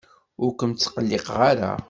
Ur kem-ttqelliqeɣ ara.